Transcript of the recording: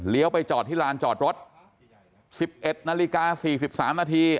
เลี้ยวไปจอดที่ลานจอดรถสิบเอ็ดนาฬิกาสี่สิบสามนาที